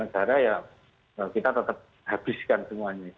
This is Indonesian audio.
bangsa dan negara ya kita tetap habiskan semuanya